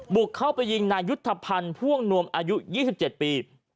บุกเข้าไปยิงนายุทธพันธ์พ่วงนวมอายุ๒๗ปี